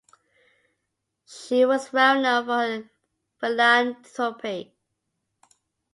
She was well known for her philanthropy.